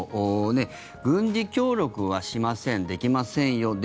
軍事協力はしませんできませんよ。